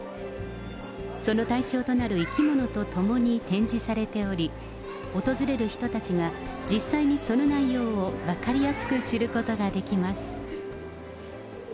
その対象となる生き物とともに展示されており、訪れる人たちが、実際にその内容を分かりやすく知ることができます。